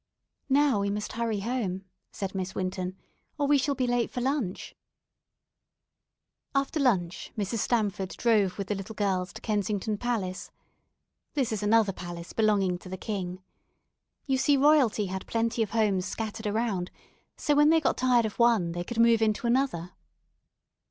"Now, we must hurry home," said Miss Winton, "or we shall be late for lunch." After lunch Mrs. Stamford drove with the little girls to Kensington Palace. This is another palace belonging to the king. You see royalty had plenty of homes scattered around, so when they got tired of one they could move into another.